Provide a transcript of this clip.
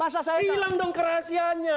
hilang dong kehahasiannya